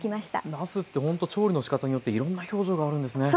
なすってほんと調理のしかたによっていろんな表情があるんですね。